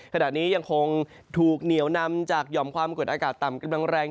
ขณะนี้ยังคงถูกเหนียวนำจากหย่อมความกดอากาศต่ำกำลังแรง